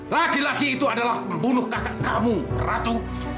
laki laki itu adalah membunuh kakak kamu ratu